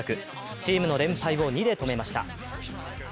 チームの連敗を２で止めました。